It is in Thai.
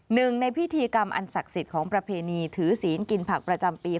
หนึ่งในพิธีกรรมอันศักดิ์สิทธิ์ของประเพณีถือศีลกินผักประจำปี